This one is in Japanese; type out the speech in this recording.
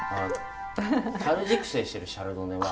樽熟成してるシャルドネは。